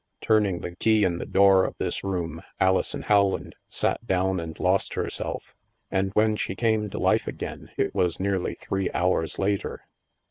Turning the key in the door of this room, Alison Rowland sat down and lost herself. And when she came to life again, it was nearly three hours later.